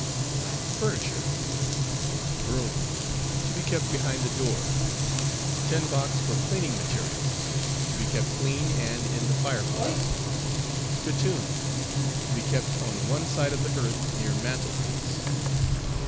FURNITURE. Broom To be kept behind the door. TIN BOX for CLEANING MATERIALS To be kept clean and in the fire place. SPITTOON To be kept on one side of the hearth near mantel piece.